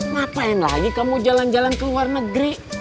ngapain lagi kamu jalan jalan ke luar negeri